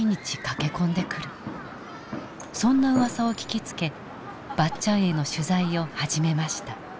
そんなうわさを聞きつけばっちゃんへの取材を始めました。